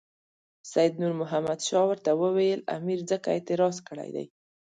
سید نور محمد شاه ورته وویل امیر ځکه اعتراض کړی دی.